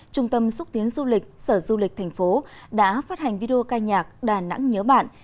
trung tâm xúc tiến du lịch sở du lịch thành phố đã phát hành video ca nhạc đà nẵng nhớ bạn